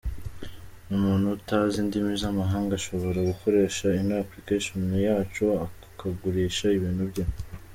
N’umuntu utazi indimi z’amahanga ashobora gukoresha ino Application yacu akagurisha ibintu bye.